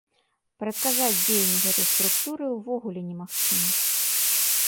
Прадказаць дзеянні гэтай структуры ўвогуле немагчыма.